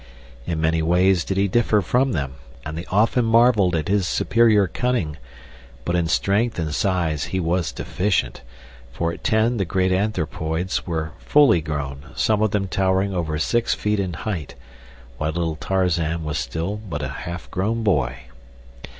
In many ways did he differ from them, and they often marveled at his superior cunning, but in strength and size he was deficient; for at ten the great anthropoids were fully grown, some of them towering over six feet in height, while little Tarzan was still but a half grown boy.